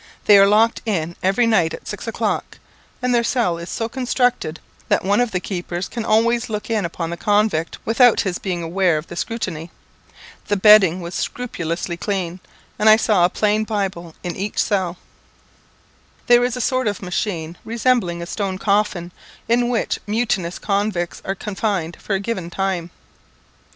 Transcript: They are locked in every night at six o'clock, and their cell is so constructed, that one of the keepers can always look in upon the convict without his being aware of the scrutiny. The bedding was scrupulously clean, and I saw a plain Bible in each cell. There is a sort of machine resembling a stone coffin, in which mutinous convicts are confined for a given time.